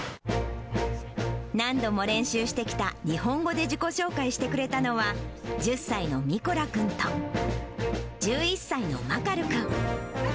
何度も練習してきた日本語で自己紹介してくれたのは、１０歳のミコラ君と、１１歳のマカル君。